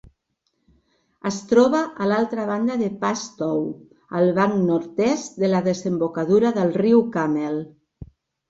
Es troba a l'altra banda de Padstow, al banc nord-es de la desembocadura del riu Camel.